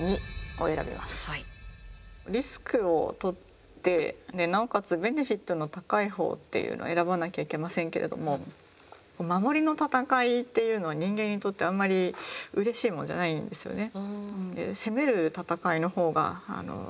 リスクを取ってなおかつベネフィットの高い方っていうのを選ばなきゃいけませんけれども守りの戦いっていうのは人間にとってあんまりうれしいものじゃないんですよね。